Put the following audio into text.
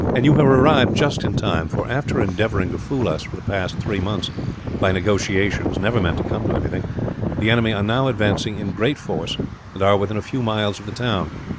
"You have arrived just in time for, after endeavouring to fool us for the past three months, by negotiations never meant to come to anything, the enemy are now advancing in great force, and are within a few miles of the town.